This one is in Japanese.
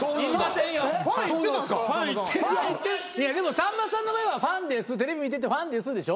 さんまさんの場合はテレビ見ててファンですでしょ？